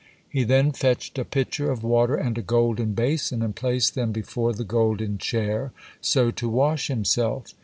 He then fetched a pitcher of water and a golden basin and placed them before the golden chair, so to wash himself.